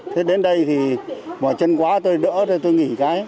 thế đến đây thì bỏ chân quá tôi đỡ tôi nghỉ cái